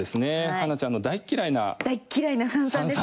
花ちゃんの大嫌いな三々ですね。